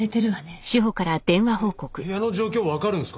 えっ部屋の状況わかるんですか？